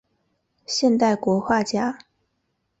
现代国画家。